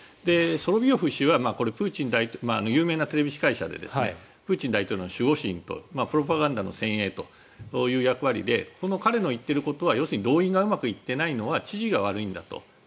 ソロビヨフ氏は有名なテレビ司会者でプーチン大統領の守護神とプロパガンダの先鋭という役割で彼の言っていることは、要するに動員がうまくいっていないのは知事が悪いんだと。